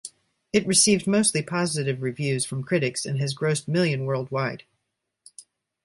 It received mostly positive reviews from critics and has grossed million worldwide.